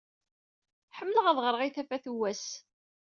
Ḥemmleɣ ad ɣreɣ i tafat n wass.